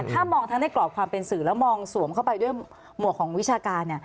ถ้ามองทั้งในกรอบความเป็นสื่อแล้วมองสวมเข้าไปด้วยหมวกของวิชาการ